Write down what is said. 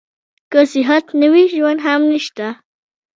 که صحت نه وي ژوند هم نشته.